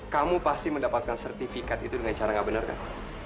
kamu pasti mendapatkan sertifikat itu dengan cara nggak benar kan